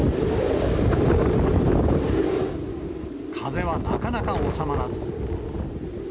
風はなかなか収まらず。